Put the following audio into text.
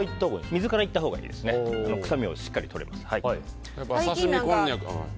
水からいったほうが臭みをしっかりとれます。